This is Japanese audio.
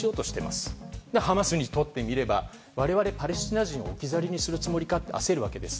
するとハマスにとってみれば我々パレスチナ人を置き去りにするつもりかと焦るわけです。